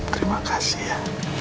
terima kasih ya